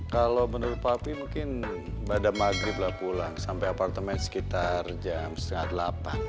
kalau menurut papi mungkin pada maghrib lah pulang sampai apartemen sekitar jam setengah delapan